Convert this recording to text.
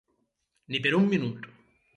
Ni per un minut.